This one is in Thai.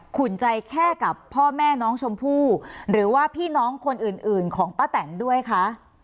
อุ่นใจแค่กับพ่อแม่น้องชมพู่หรือว่าพี่น้องคนอื่นอื่นของป้าแตนด้วยคะ